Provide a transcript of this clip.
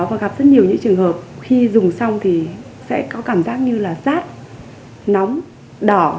và gặp rất nhiều những trường hợp khi dùng xong thì sẽ có cảm giác như là rác nóng đỏ